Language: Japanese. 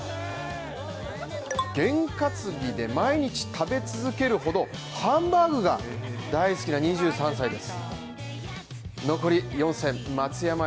げんかつぎで毎日食べ続けるほど、ハンバーグが大好きな２３歳です。